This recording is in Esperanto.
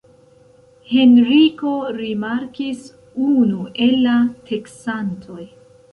Henriko rimarkis unu el la teksantoj.